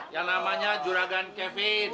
yang namanya juragan kevin